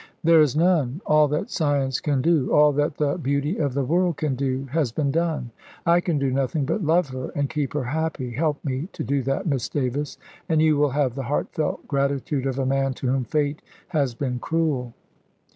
"There is none. All that science can do, all that the beauty of the world can do, has been done. I can do nothing but love her, and keep her happy. Help me to do that, Miss Davis, and you will have the heartfelt gratitude of a man to whom Fate has been cruel."